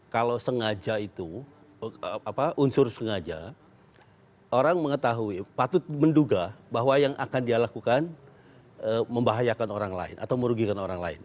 kalau sengaja itu unsur sengaja orang mengetahui patut menduga bahwa yang akan dia lakukan membahayakan orang lain atau merugikan orang lain